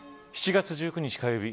７月１９日、火曜日